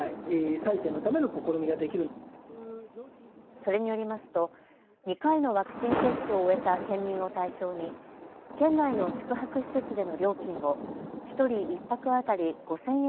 それによりますと２回のワクチン接種を終えた県民を対象に県内の宿泊施設での料金を１人１泊当たり５０００円